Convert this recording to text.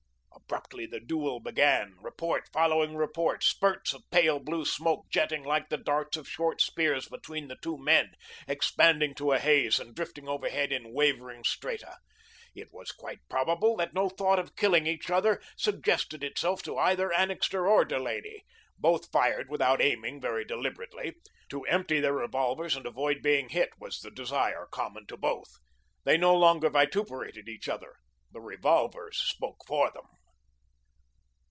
Abruptly the duel began, report following report, spurts of pale blue smoke jetting like the darts of short spears between the two men, expanding to a haze and drifting overhead in wavering strata. It was quite probable that no thought of killing each other suggested itself to either Annixter or Delaney. Both fired without aiming very deliberately. To empty their revolvers and avoid being hit was the desire common to both. They no longer vituperated each other. The revolvers spoke for them.